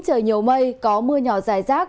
trời nhiều mây có mưa nhỏ dài rác